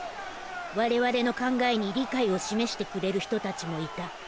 我々の考えに理解を示してくれる人達もいた。